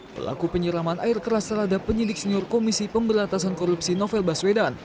pelaku penyiraman air keras terhadap penyidik senior komisi pemberantasan korupsi novel baswedan